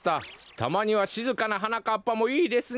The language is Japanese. たまにはしずかな「はなかっぱ」もいいですね！